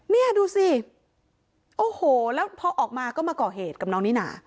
เนี่ยดูสิโอ้โหแล้วพอออกมาก็มาก่อเหตุกับน้องนิน่า